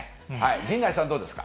陣内さん、どうですか。